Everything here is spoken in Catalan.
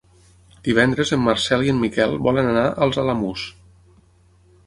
Divendres en Marcel i en Miquel volen anar als Alamús.